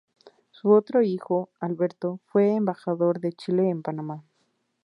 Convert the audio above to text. Su otro hijo, Alberto, fue embajador de Chile en Panamá.